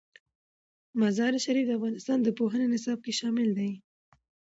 مزارشریف د افغانستان د پوهنې نصاب کې شامل دي.